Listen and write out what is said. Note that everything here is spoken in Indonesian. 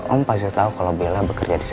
om pasti tahu kalau bela bekerja di sana